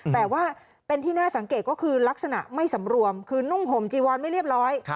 แต่ว่าเป็นที่น่าสังเกตก็คือลักษณะไม่สำรวมคือนุ่งห่มจีวอนไม่เรียบร้อย